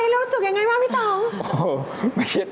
ที่ว่าเราผมว่าทำประโยชน์ได้